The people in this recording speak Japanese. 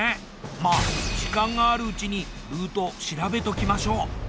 まあ時間があるうちにルート調べときましょう。